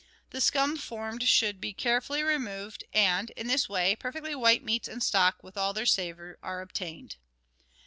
The scum formed should be carefully removed, and, in this way, perfectly white meats and stock, with all their savour, are obtained.